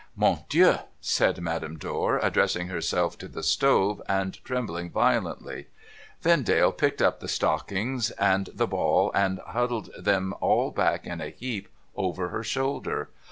' Mon Dieu !' said Madame Dor, addressing herself to the stove, and trembling violently. Vendale picked up the stockings and the ball, and huddled them all back in a heap over her shoulder.